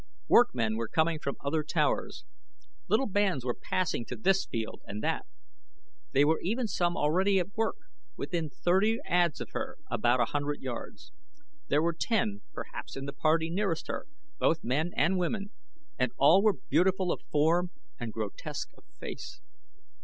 Workmen were coming from other towers. Little bands were passing to this field and that. There were even some already at work within thirty ads of her about a hundred yards. There were ten, perhaps, in the party nearest her, both men and women, and all were beautiful of form and grotesque of face.